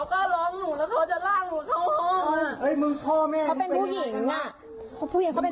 เธอตกใจมากโทรหาพ่อตามมาได้ทันเวลาพอดีเลย